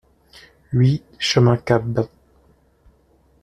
huit chemin Capbat